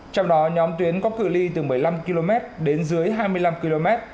trong đó nhóm tuyến có cư ly từ một mươi năm km đến dưới hai mươi năm km